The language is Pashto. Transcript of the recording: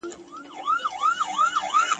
کله کله به وو دومره قهرېدلی ..